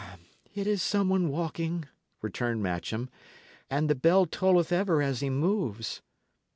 "It is some one walking," returned Matcham, and "the bell tolleth ever as he moves."